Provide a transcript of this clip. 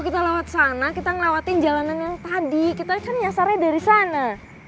kita lewat sana kita ngelawatin jalanan yang tadi kita kan nyasarnya dari sana